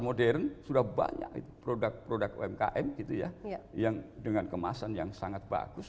modern sudah banyak itu produk produk umkm gitu ya yang dengan kemasan yang sangat bagus